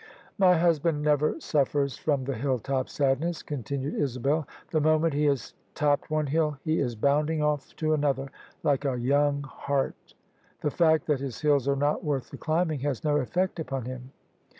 " My husband never suffers from the hill top sadness/' continued Isabel :" the moment he has topped one hill he is bounding off to another, like a young hart. The fact that his hills are not worth the climbing has no effect upon him."